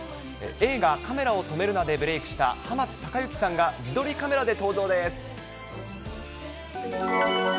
映画、カメラを止めるな！でブレークした濱津隆之さんが自撮りカメラで登場です。